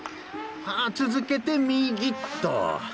続けて右っと。